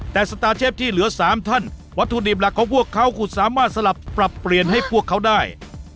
แต่สตาร์เชฟที่เหลือ๓ท่านวัตถุดิบหลักของพวกเขาคุณสามารถสลับปรับเปลี่ยนให้พวกเขาได้